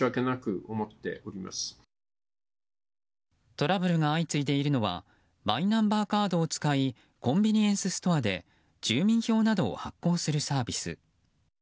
トラブルが相次いでいるのはマイナンバーカードを使いコンビニエンスストアで住民票などを発行するサービス。